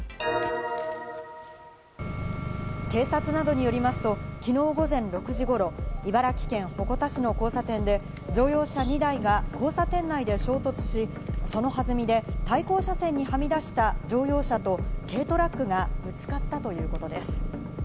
警察などによりますと、昨日午前６時頃、茨城県鉾田市の交差点で、乗用車２台が交差点内で衝突し、そのはずみで対向車線にはみ出した乗用車と軽トラックがぶつかったということです。